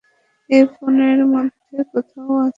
সে এই বনের মধ্যেই কোথাও আছে।